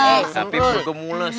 iya tapi kemules